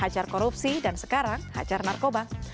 hajar korupsi dan sekarang hajar narkoba